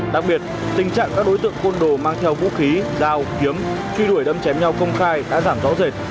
đặc biệt tình trạng các đối tượng côn đồ mang theo vũ khí đao kiếm truy đuổi đâm chém nhau công khai đã giảm rõ rệt